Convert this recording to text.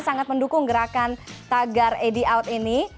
sangat mendukung gerakan tagar edi out ini